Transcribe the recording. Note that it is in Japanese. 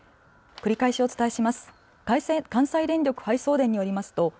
繰り返しお伝えします。